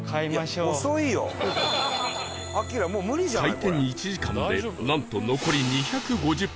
開店１時間でなんと残り２５０個